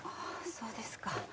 そうですか。